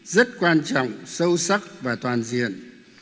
rất quan trọng sâu sắc và toàn diện